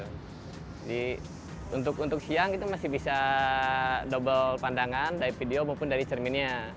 jadi untuk siang itu masih bisa double pandangan dari video maupun dari cerminnya